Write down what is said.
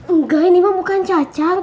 enggak ini mah bukan cacang